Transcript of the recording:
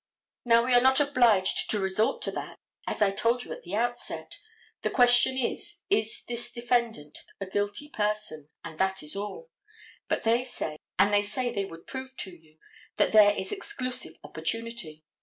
Now we are not obliged to resort to that, as I told you at the outset. The question is, is this defendant a guilty person, and that is all. But they say, and they said they would prove to you, that there is exclusive opportunity.